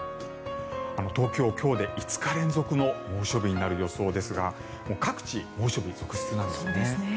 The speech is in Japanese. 東京、今日で５日連続の猛暑日になる予想ですが各地、猛暑日続出なんですね。